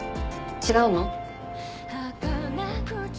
違うの？